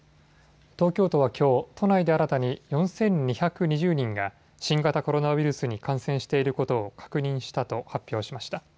東京都はきょう、都内で新たに４２２０人が、新型コロナウイルスに感染していることを確認したと発表しました。